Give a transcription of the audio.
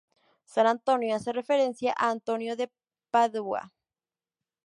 San Antonio hace referencia a Antonio de Padua.